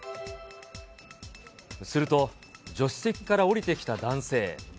すると助手席から降りてきた男性。